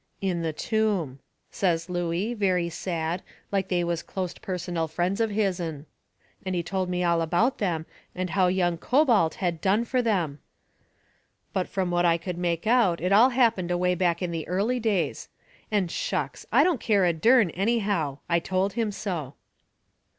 "In the tomb," says Looey, very sad, like they was closte personal friends of his'n. And he told me all about them and how Young Cobalt had done fur them. But from what I could make out it all happened away back in the early days. And shucks! I didn't care a dern, anyhow. I told him so.